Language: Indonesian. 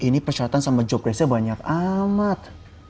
ini persyaratan sama jogresnya banyak amat